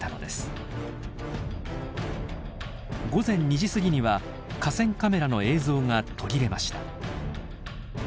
午前２時過ぎには河川カメラの映像が途切れました。